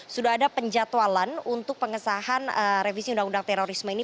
sudah ada penjatualan untuk pengesahan revisi undang undang terorisme ini